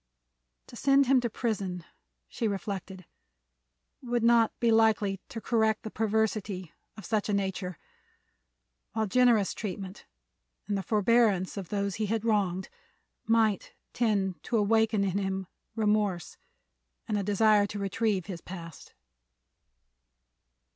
To send him to prison, she reflected, would not be likely to correct the perversity of such a nature, while generous treatment and the forbearance of those he had wronged might tend to awaken in him remorse and a desire to retrieve his past.